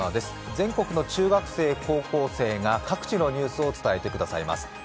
全国の中学生、高校生が各地のニュースを伝えてくださいます。